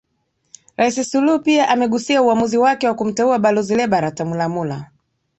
Rais suluhu pia amegusia uamuzi wake wa kumteua Balozi Lebarata Mulamula